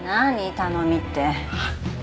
頼みって。